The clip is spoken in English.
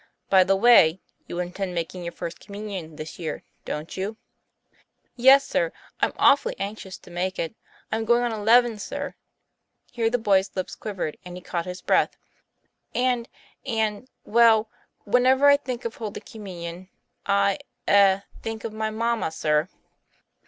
By the way, you intend making your First Communion this year, don't you?" "Yes, sir; I'm awful anxious to make it. I'm going on eleven, sir," here the boy's lips quivered, and he caught his breath "and and well, when ever I think of Holy Communion, I eh think of my mamma, sir.